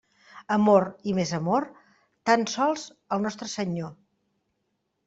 Amor i més amor, tan sols el Nostre Senyor.